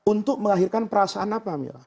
untuk melahirkan perasaan apa